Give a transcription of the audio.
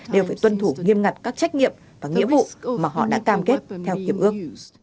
đều phải tuân thủ nghiêm ngặt các trách nhiệm và nghĩa vụ mà họ đã cam kết theo hiệp ước